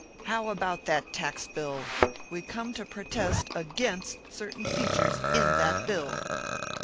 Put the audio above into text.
How about that tax bill ? We come to protest against certain features in that bill."